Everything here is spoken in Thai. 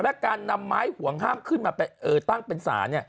และการนำไม้ห่วงห้ามขึ้นมาตั้งเป็นศาล